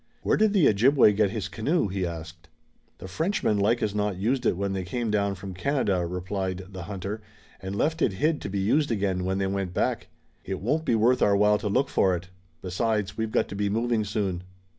"Where did the Ojibway get his canoe?" he asked. "The Frenchmen like as not used it when they came down from Canada," replied the hunter, "and left it hid to be used again when they went back. It won't be worth our while to look for it. Besides, we've got to be moving soon."